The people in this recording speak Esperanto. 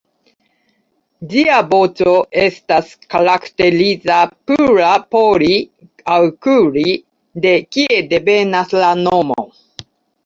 Ĝia voĉo estas karakteriza, pura "po-li" aŭ “kur-li” de kie devenas la nomo.